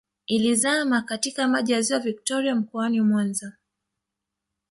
Ilizama katika Maji ya Ziwa Victoria mkoani Mwanza